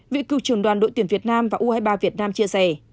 vị cựu trưởng đoàn đội tuyển việt nam và u hai mươi ba việt nam chia sẻ